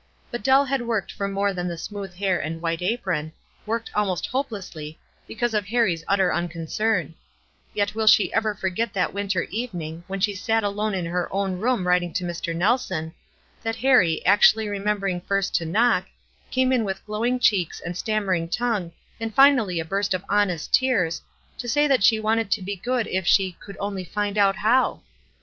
But Dell had worked for more than the smooth hair and white apron, worked almost hopeless ly, because of Harrie's utter unconcern ; yet will she ever forget that winter evening, when she sat alone in her own room writing to Mr. Nelson, that Harrie, actually remembering first to knock, came with glowing cheeks and stammering tongue, and finally a burst of honest tears, to sa} r that she Wanted to be good if she r: could only find out how?"